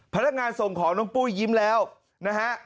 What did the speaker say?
พนักงานส่งของน้องปุ้ยยิ้มแล้วนะฮะ